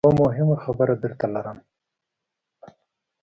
یوه مهمه خبره درته لرم .